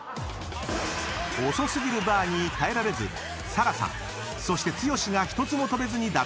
［遅過ぎるバーに耐えられず紗来さんそして剛が１つも跳べずに脱落］